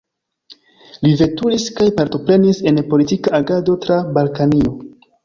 Li veturis kaj partoprenis en politika agado tra Balkanio.